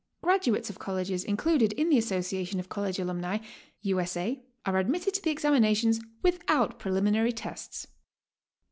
Graduates of colleges included in the Association of College Alumnae, U. S. A., are admitted to the examinations without preliminary tests.